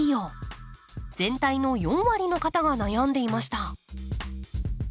全体の４割の方が悩んでいました。